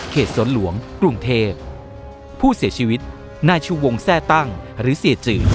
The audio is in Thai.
สวนหลวงกรุงเทพผู้เสียชีวิตนายชูวงแทร่ตั้งหรือเสียจืด